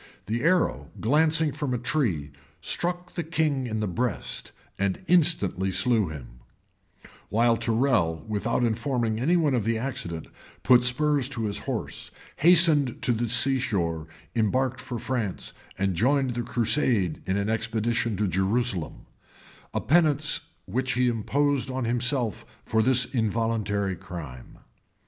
The arrow, glancing from a tree, struck the king in the breast, and instantly slew him;[*] while Tyrrel, without informing any one of the accident, put spurs to his horse, hastened to the sea shore, embarked for France, and joined the crusade in an expedition to Jerusalem; a penance which he imposed on himself for this involuntary crime.